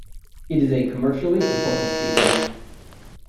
It is a commercially important species.